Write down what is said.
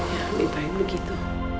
ya ditahui begitu